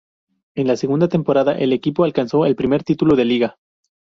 En la segunda temporada el equipo alcanzó el primer título de liga.